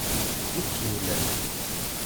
Ikil.